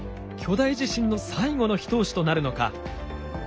巨大地震の最後の一押しとなるのか？